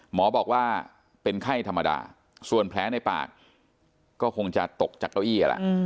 หมอบอกว่าเป็นไข้ธรรมดาส่วนแผลในปากก็คงจะตกจากเก้าอี้แหละ